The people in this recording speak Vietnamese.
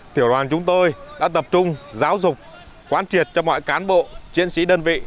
tiểu đoàn chúng tôi đã tập trung giáo dục quán triệt cho mọi cán bộ chiến sĩ đơn vị